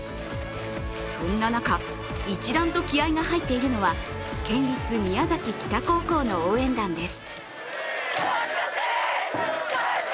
そんな中、一段と気合いが入っているのは県立宮崎北高校の応援団です。